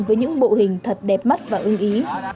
với những bộ hình thật đẹp mắt và ưng ý